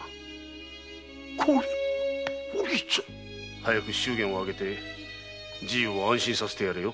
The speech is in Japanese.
早く祝言を挙げてじいを安心させてやれよ。